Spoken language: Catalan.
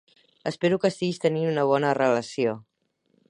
Espero que estiguis tenint una bona relació.